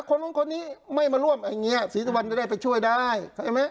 คนนู้นคนนี้ไม่มาร่วมอย่างเงี้ศรีสุวรรณจะได้ไปช่วยได้ใช่ไหม